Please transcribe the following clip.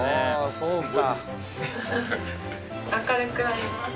そうか。